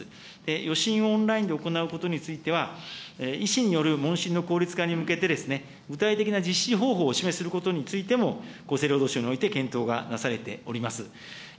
予診をオンラインで行うことについては、医師による問診の効率化に向けて、具体的な実施方法をお示しすることについても厚生労働省において検討がなされております。